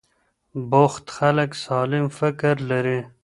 بوخت خلک سالم فکر لري.